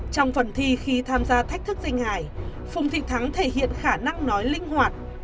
trong phần thi khi tham gia thách thức dinh hải phùng thị thắng thể hiện khả năng nói linh hoạt